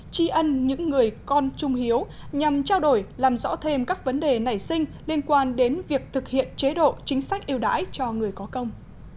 tri ân những người con trung hiếu nhằm trao đổi làm rõ thêm các vấn đề nảy sinh liên quan đến việc thực hiện chế độ chính sách yêu đãi cho người có công